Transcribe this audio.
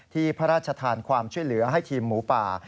พระราชทานความช่วยเหลือให้ทีมหมูป่า